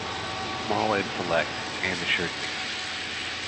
“Small and select,” Anne assured Nicky.